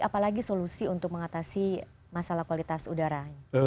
apalagi solusi untuk mengatasi masalah kualitas udara